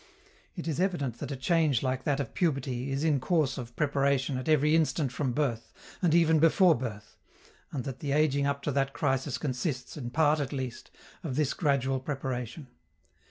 It is evident that a change like that of puberty is in course of preparation at every instant from birth, and even before birth, and that the ageing up to that crisis consists, in part at least, of this gradual preparation.